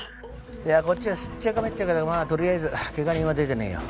いやこっちはすっちゃかめっちゃかだがまあとりあえず怪我人は出てねえよ。